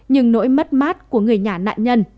nhưng nỗi mất mát của người nhà nạn nhân